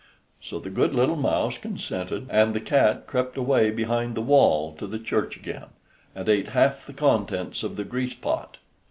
So the good little mouse consented, and the cat crept away behind the wall to the church again, and ate half the contents of the grease pot.